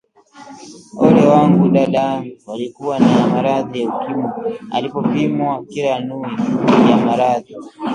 Ole wangu! Dadangu alikuwa na maradhi ya ukimwi alipopimwa kila nui ya maradhi